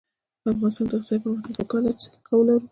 د افغانستان د اقتصادي پرمختګ لپاره پکار ده چې سلیقه ولرو.